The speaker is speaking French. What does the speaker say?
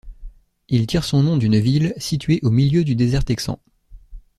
Il tire son nom d'une ville située au milieu du désert texan.